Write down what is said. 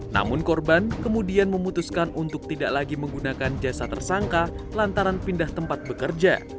namun korban kemudian memutuskan untuk tidak lagi menggunakan jasa tersangka lantaran pindah tempat bekerja